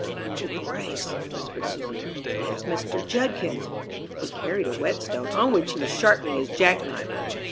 "O Grace," whispered Susy, "that's Mr. Judkins!" He carried a whetstone, on which he was sharpening his jackknife.